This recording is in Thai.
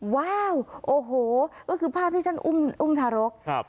ว้าวโอ้โหก็คือภาพที่ท่านอุ้มทารกครับ